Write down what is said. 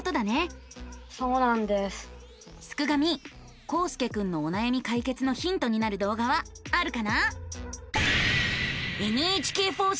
すくガミこうすけくんのおなやみ解決のヒントになる動画はあるかな？